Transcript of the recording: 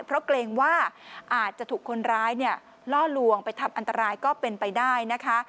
เพราะเกรงว่าอาจจะถูกคนร้ายเนี่ยล่อลวงไปทำอันตรายก็เป็นไปได้นะคะ